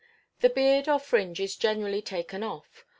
The beard or fringe is generally taken off.